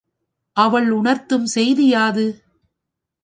அவள் உணர்த்தும் செய்தி யாது?